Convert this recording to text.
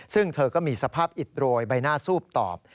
ซึ่งเธอก็มีสภาพอิดโรยใบหน้าซูบตอบ